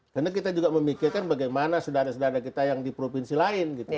karena kita juga memikirkan bagaimana saudara saudara kita yang di provinsi lain gitu